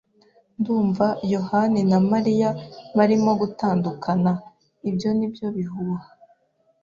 "Ndumva yohani na Mariya barimo gutandukana." "Ibyo ni byo bihuha."